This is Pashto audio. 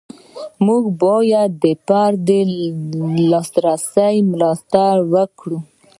موږ باید د فرد د لاسرسي ملاتړ وکړو.